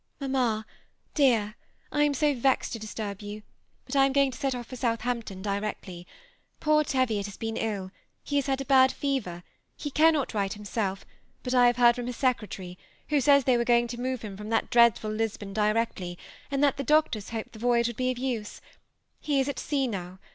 " Mamma dear, I am so vexed to disturb 70a, but I am going to set off for Southampton directly* Poor Teviot has been ill ; he has had a bad fever ; he can not write himself, but I have heard from his secretary, who says they were going to move him from that dread ful Lisbon directly; and that the doctors hoped that the voyage would be of use. He is at sea now.